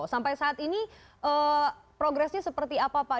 sampai saat ini progresnya seperti apa pak